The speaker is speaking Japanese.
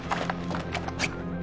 はい。